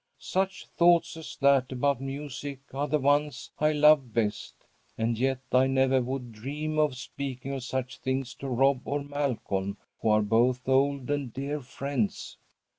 "Such thoughts as that about music are the ones I love best, and yet I never would dream of speaking of such things to Rob or Malcolm, who are both old and dear friends.